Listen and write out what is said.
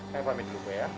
kami pamit dulu ya